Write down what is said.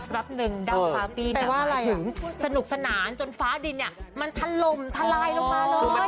รับหนึ่งด้าวฟ้าปิ้นเนี่ยสนุกสนานจนฟ้าดินเนี่ยมันทะลมทะลายลงมาเลย